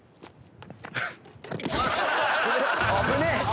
危ねえ。